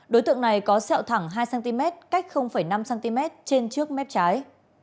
đối tượng này có sẹo thẳng hai cm cách năm cm trên trước mép trái